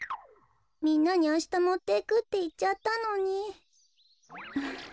みんなにあしたもっていくっていっちゃったのに。